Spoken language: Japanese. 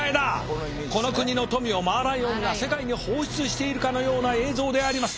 この国の富をマーライオンが世界に放出しているかのような映像であります。